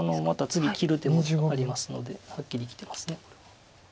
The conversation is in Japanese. また次切る手もありますのではっきり生きてます。